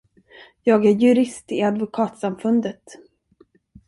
Jag är jurist i advokatsamfundet.